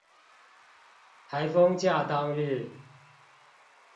颱風假當日